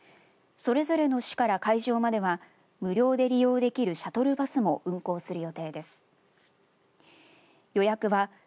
それぞれの市から会場までは無料で利用できるシャトルバスも運行する予定です。